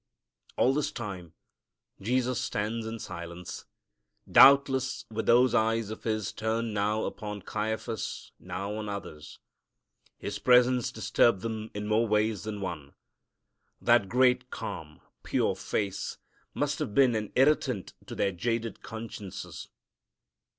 All this time Jesus stands in silence, doubtless with those eyes of His turned now upon Caiaphas, now on the others. His presence disturbed them in more ways than one. That great calm, pure face must have been an irritant to their jaded consciences.